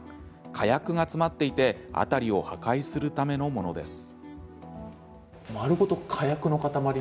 火薬が詰まっていて辺りを破壊するためのものです。